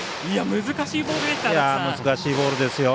難しいボールでしたね。